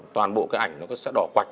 toàn bộ cái ảnh nó sẽ đỏ quạch